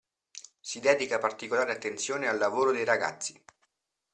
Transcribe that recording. Si dedica particolare attenzione al lavoro dei ragazzi.